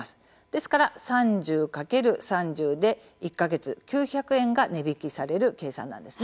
ですから３０×３０で１か月９００円が値引きされる計算なんです。